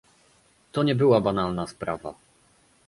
To nie była banalna sprawa